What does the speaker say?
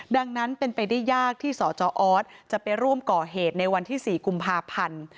ดังนั้นเป็นไปได้ยากที่สจออสจะไปร่วมก่อเหตุในวันที่๔กุมภาพันธ์